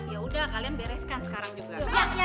ya udah kalian bereskan sekarang juga